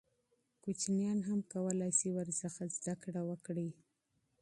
کوچنیان هم کولای سي ورڅخه زده کړه وکړي.